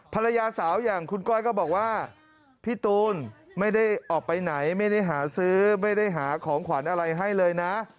ภรรยาสาวอย่างคุณก้อยก็บอกว่าพี่ตูนไม่ได้ออกไปไหนไม่ได้หาซื้อไม่ได้หาของขวัญอะไรให้เลยนะ